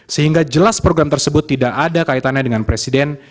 sehingga jelas program tersebut tidak ada kaitannya dengan presiden